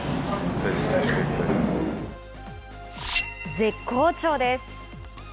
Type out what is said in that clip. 絶好調です！